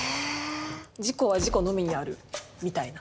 「自己は自己のみにある」みたいな。